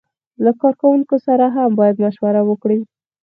له کارکوونکو سره هم باید مشوره وکړي.